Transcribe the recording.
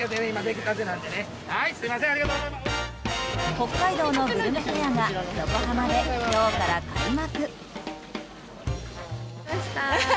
北海道のグルメフェアが横浜で今日から開幕。